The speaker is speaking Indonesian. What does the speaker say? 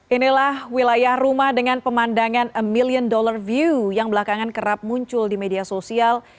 inilah wilayah rumah dengan pemandangan million dollar view yang belakangan kerap muncul di media sosial